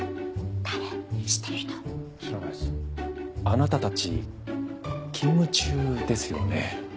あなたたち勤務中ですよね？